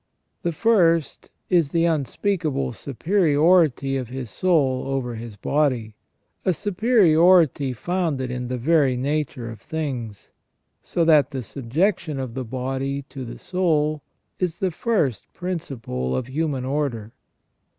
The first is the unspeakable superiority of his soul over his body, a superiority founded in the very nature of things, so that the subjection of the body to the soul is the first principle of human order.